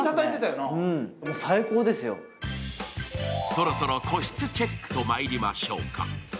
そろそろ個室チェックとまいりましょうか。